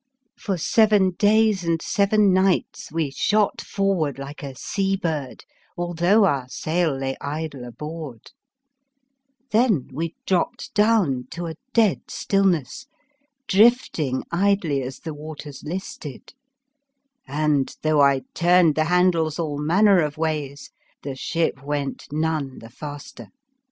For seven days and seven nights we shot forward like a sea bird, although our sail lay idle aboard; then we dropped down to a dead stillness, drifting idly as the waters listed, and, though I turned the handles all manner of ways the ship went none the faster.